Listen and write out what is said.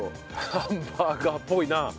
ハンバーガーっぽいなあ。